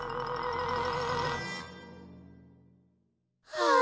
はあ。